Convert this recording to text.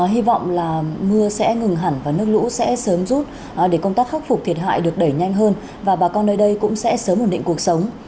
hy vọng là mưa sẽ ngừng hẳn và nước lũ sẽ sớm rút để công tác khắc phục thiệt hại được đẩy nhanh hơn và bà con nơi đây cũng sẽ sớm ổn định cuộc sống